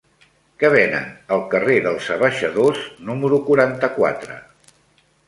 Què venen al carrer dels Abaixadors número quaranta-quatre?